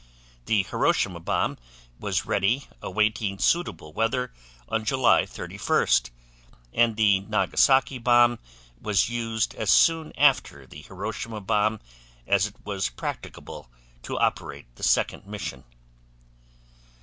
The Hiroshima bomb was ready awaiting suitable weather on July 31st, and the Nagasaki bomb was used as soon after the Hiroshima bomb as it was practicable to operate the second mission.